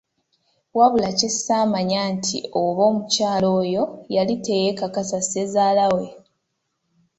Wabula kye ssaamanya nti oba omukyala oyo yali teyeekakasa Ssezaalawe!